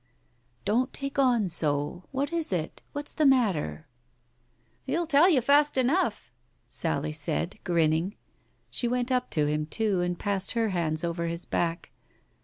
"Don't take on so f What is it ? What's the matter ?" "He'll tell you fast enough," Sally said, grinning. She went up to him, too, and passed her hands over his back.